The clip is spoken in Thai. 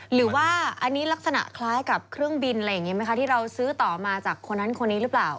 หรือว่าอันนี้ลักษณะคล้ายกับเครื่องบินอะไรอย่างนี้ไหมคะที่เราซื้อต่อมาจากคนนั้นคนนี้หรือเปล่า